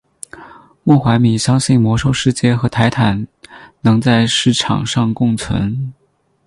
莫怀米相信魔兽世界和泰坦能在市场上共存。